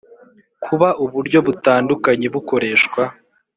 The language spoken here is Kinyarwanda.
Kuba uburyo butandukanye bukoreshwa